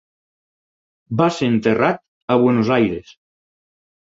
Va ser enterrat a Buenos Aires.